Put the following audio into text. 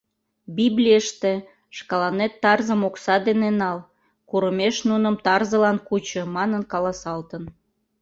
— Библийыште «шкаланет тарзым окса дене нал, курымеш нуным тарзылан кучо» манын каласалтын.